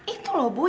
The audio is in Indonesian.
itu loh bu